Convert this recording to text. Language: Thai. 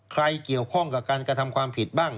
ใครเกี่ยวข้องกับการกระทำความผิดบ้าง